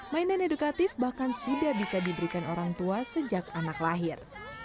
mainan edukatif bahkan sudah bisa diberikan orang tua sejak anak lahir